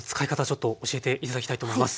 ちょっと教えて頂きたいと思います。